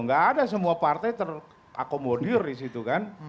nggak ada semua partai terakomodir di situ kan